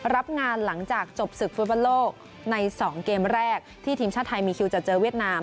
รับงานหลังจากจบศึกฟุตบอลโลกใน๒เกมแรกที่ทีมชาติไทยมีคิวจะเจอเวียดนาม